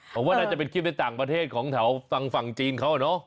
ผมว่าน่าจะเป็นคลิปในต่างประเทศของแถวฝั่งจีนเขาเนอะ